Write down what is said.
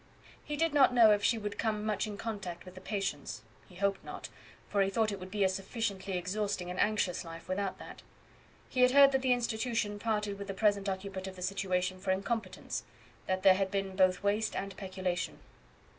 He did not know if she would come much in contact with the patients; he hoped not, for he thought it would be a sufficiently exhausting and anxious life without that. He had heard that the institution parted with the present occupant of the situation for incompetence that there had been both waste and peculation.